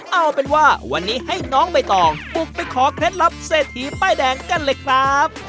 เอาเป็นว่าวันนี้ให้น้องใบตองบุกไปขอเคล็ดลับเศรษฐีป้ายแดงกันเลยครับ